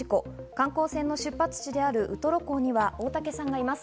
観光船の出発地であるウトロ港には大竹さんがいます。